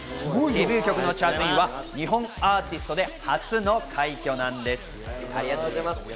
デビュー曲のチャートでは日本アーティストで初の快挙なんです。